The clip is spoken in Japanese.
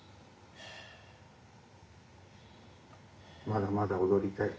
まだまだ踊りたい？